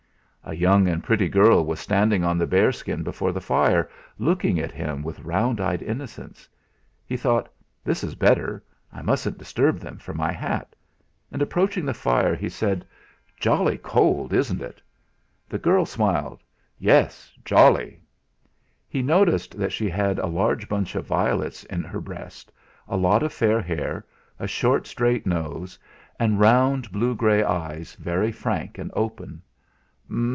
A young and pretty girl was standing on the bearskin before the fire, looking at him with round eyed innocence. He thought: 'This is better; I mustn't disturb them for my hat'. and approaching the fire, said: "Jolly cold, isn't it?" The girl smiled: "Yes jolly." He noticed that she had a large bunch of violets at her breast, a lot of fair hair, a short straight nose, and round blue grey eyes very frank and open.